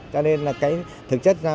cho nên là cái thực chất ra